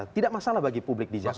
tidak masalah bagi publik di jakarta